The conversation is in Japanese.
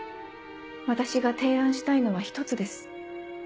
私が提案したいのは一つです。